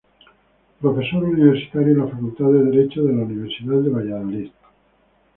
Profesor Universitario en la Facultad de Derecho de la Universidad de Valladolid.